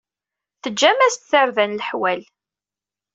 Teǧǧam-as-d tarda n leḥwal.